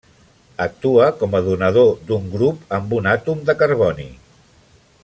Actua com a donador d'un grup amb un àtom de carboni.